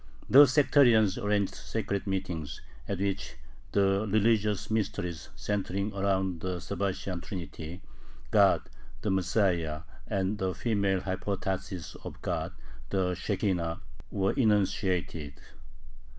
The sectarians arranged secret meetings, at which the religious mysteries centering around the Sabbatian "Trinity" (God, the Messiah, and a female hypostasis of God, the Shekhinah) were enunciated.